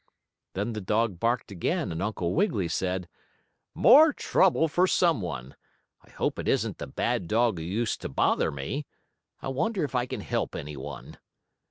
Then the dog barked again and Uncle Wiggily said: "More trouble for some one. I hope it isn't the bad dog who used to bother me. I wonder if I can help any one?"